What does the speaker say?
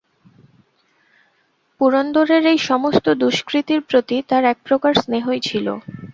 পুরন্দরের এই-সমস্ত দুষ্কৃতির প্রতি তাঁর একপ্রকার স্নেহই ছিল।